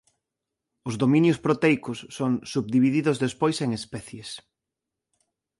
Os "dominios proteicos" son subdivididos despois en especies.